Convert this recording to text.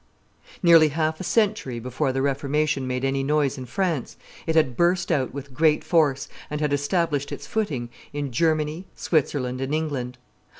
Nearly half a century before the Reformation made any noise in France it had burst out with great force and had established its footing in Germany, Switzerland, and England.